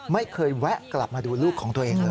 แวะกลับมาดูลูกของตัวเองเลย